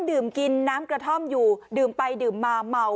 ดื่มกินน้ำกระท่อมอยู่ดื่มไปดื่มมาเมา